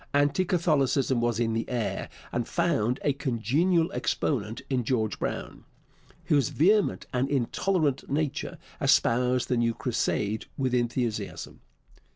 Anti Catholicism was in the air, and found a congenial exponent in George Brown, whose vehement and intolerant nature espoused the new crusade with enthusiasm.